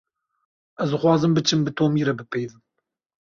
Ez dixwazim biçim bi Tomî re bipeyivim.